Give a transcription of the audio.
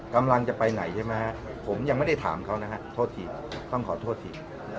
กำลังจะไปไหนใช่ไหมฮะผมยังไม่ได้ถามเขานะฮะโทษทีต้องขอโทษที